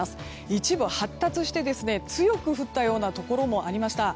一部発達して強く降ったようなところもありました。